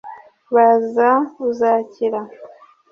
Baza uzakira